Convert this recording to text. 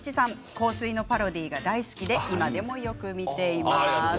「香水」のパロディーが大好きで今でもよく見ています。